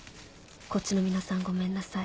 こっちの皆さんごめんなさい